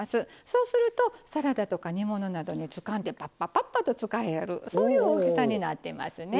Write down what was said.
そうするとサラダとか煮物などにつかんでパッパパッパと使えるそういう大きさになってますね。